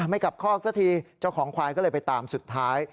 ไม่กลับคอกซะทีเจ้าของควายก็เลยไปตามสุดท้าย